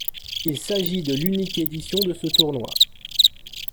Il s'agit de l'unique édition de ce tournoi.